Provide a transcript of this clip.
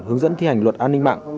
hướng dẫn thi hành luật an ninh mạng